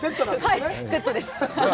はい、セットです。